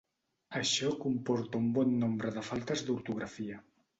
Això comporta un bon nombre de faltes d'ortografia.